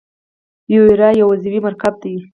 یوریا یو عضوي مرکب دی.